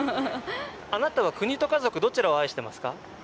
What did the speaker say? あなたは国と家族どちらを愛してますか？